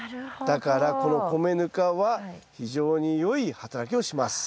だからこの米ぬかは非常に良い働きをします。